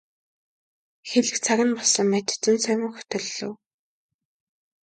Хэлэх цаг нь болсон мэт зөн совин хөтөллөө.